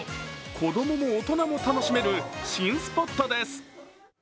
子供も大人も楽しめる新スポットです。